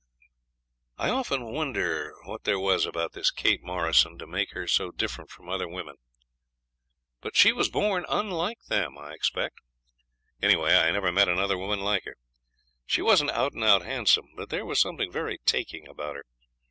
I often wonder what there was about this Kate Morrison to make her so different from other women; but she was born unlike them, I expect. Anyway, I never met another woman like her. She wasn't out and out handsome, but there was something very taking about her.